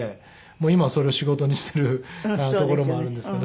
今はそれを仕事にしているところもあるんですけど。